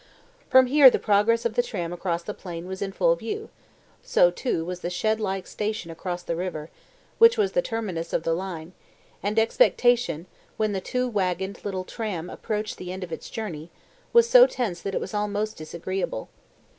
From here the progress of the tram across the plain was in full view; so, too, was the shed like station across the river, which was the terminus of the line, and expectation, when the two waggoned little train approached the end of its journey, was so tense that it was almost disagreeable.